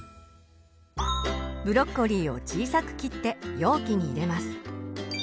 ブロッコリーを小さく切って容器に入れます。